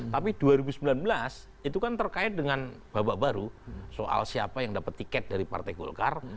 tapi dua ribu sembilan belas itu kan terkait dengan babak baru soal siapa yang dapat tiket dari partai golkar